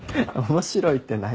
面白いって何？